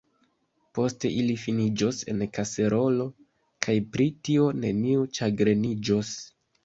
Poste ili finiĝos en kaserolo, kaj pri tio neniu ĉagreniĝos.